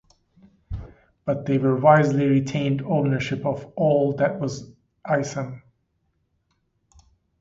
But they wisely retained ownership of all that was Isom.